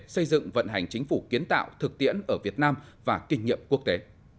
xây dựng vận hành chính phủ kiến tạo thực tiễn ở việt nam và kinh nghiệm quốc tế